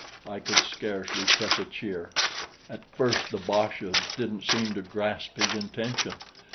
I could scarce repress a cheer. At first the boches didn't seem to grasp his intention.